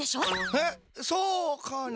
えっそうかな。